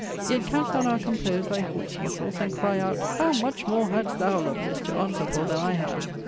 Yet canst thou now compose thy horse muscles, and cry out, How much more hadst thou, Lovelace, to answer for than I have!